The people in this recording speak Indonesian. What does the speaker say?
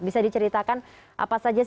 bisa diceritakan apa saja